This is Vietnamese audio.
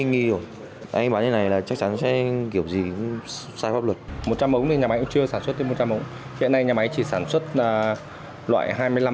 nói chung là pháo này chỉ sản xuất loại hai hai kg